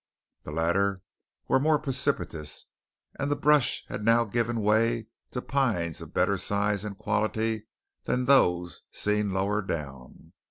The latter were more precipitous; and the brush had now given way to pines of better size and quality than those seen lower down.